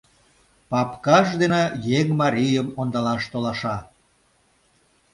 Папкаж дене еҥ марийым ондалаш толаша!..